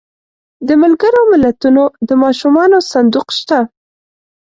د ملګرو ملتونو د ماشومانو صندوق شته.